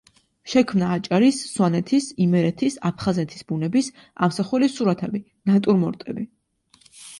შექმნა აჭარის, სვანეთის, იმერეთის, აფხაზეთის ბუნების ამსახველი სურათები, ნატურმორტები.